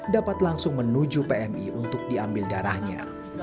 dapat langsung menuju pmi untuk diambil darahnya